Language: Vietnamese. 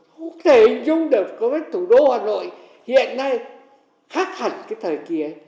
không thể dùng được cái thủ đô hà nội hiện nay khác hẳn cái thời kia